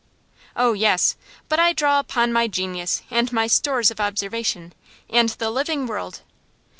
'Oh yes! But I draw upon my genius, and my stores of observation, and the living world.